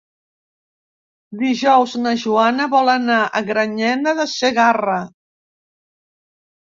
Dijous na Joana vol anar a Granyena de Segarra.